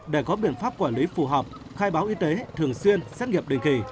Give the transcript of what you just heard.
để có biện pháp quản lý phù hợp khai báo y tế thường xuyên xét nghiệp đình kỳ